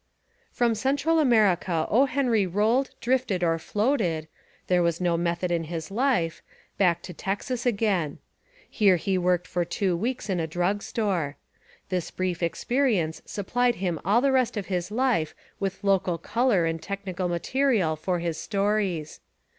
From Central America O. Henry rolled, drifted or floated, — there was no method in his life, — back to Texas again. Here he worked for two weeks in a drug store. This brief ex perience supplied him all the rest of his life with local colour and technical material for his stories.